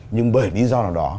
nhưng bởi lý do nào đó